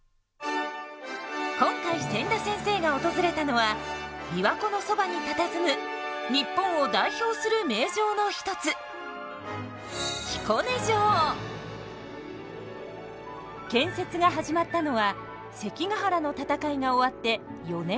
今回千田先生が訪れたのは琵琶湖のそばにたたずむ日本を代表する名城の一つ建設が始まったのは関ヶ原の戦いが終わって４年後のこと。